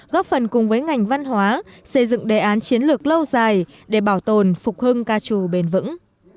góp phần cùng với ngành văn hóa xây dựng đề án chiến lược lâu dài để bảo tồn phục hưng ca trù bền vững